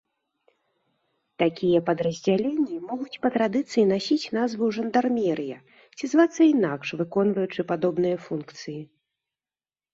Такія падраздзяленні могуць па традыцыі насіць назву жандармерыя ці звацца інакш, выконваючы падобныя функцыі.